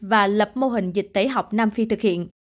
và lập mô hình dịch tễ học nam phi thực hiện